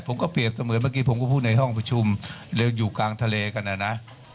ผมก็เปรียบเสมือนเมื่อกี้ผมก็พูดในห้องประชุมเร็วอยู่กลางทะเลกันนะนะ